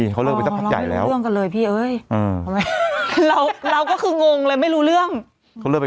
ก็ไปถามนางเนี่ยตกลงว่าเอ้าตกลงยังไง